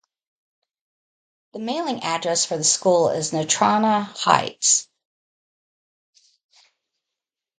The mailing address for the school is Natrona Heights.